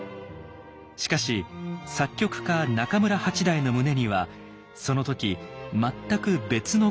しかし作曲家中村八大の胸にはその時全く別の考えがあったのです。